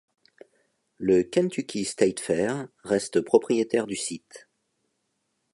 Le Kentucky State Fair reste propriétaire du site.